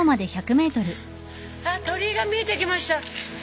あっ鳥居が見えてきました。